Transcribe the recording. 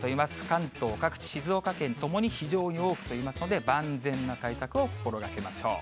関東各地、静岡県ともに非常に多く飛びますので、万全な対策を心がけましょう。